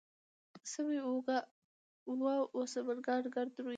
سوی اوه و سمکنان کرد روی